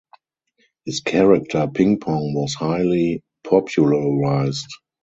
His character "Ping Pong" was highly popularized.